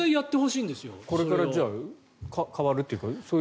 これから変わるというか。